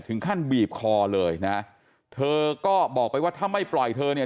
ถึงขั้นบีบคอเลยนะเธอก็บอกไปว่าถ้าไม่ปล่อยเธอเนี่ย